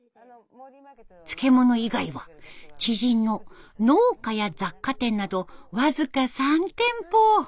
漬物以外は知人の農家や雑貨店など僅か３店舗。